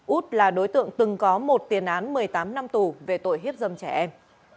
út là đối tượng từng có một tiền án một mươi tám năm tù về tội hiếp dâm trẻ em